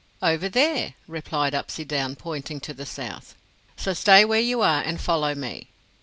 "Over there," replied Upsydoun, pointing to the south; "so stay where you are and follow me."